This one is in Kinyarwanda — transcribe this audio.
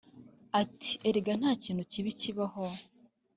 Ati″ Erega nta kintu kibi kibaho